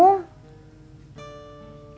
dari mulai dikasih nama itu